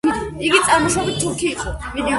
იგი წარმოშობით თურქი იყო.